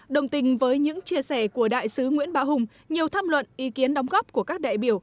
đồng tình với những chia sẻ của đại sứ nguyễn bá hùng nhiều tham luận ý kiến đóng góp của các đại biểu